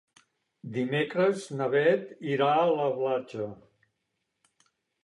Dimecres na Beth irà a la platja.